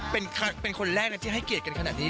เป็นคนแรกนะที่ให้เกียรติกันขนาดนี้